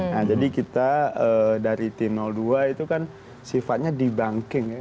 nah jadi kita dari tim dua itu kan sifatnya debunking ya